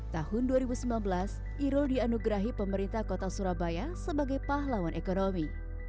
tahun dua ribu sembilan belas irul dianugerahi pemerintah kota surabaya sebagai pahlawan ekonomi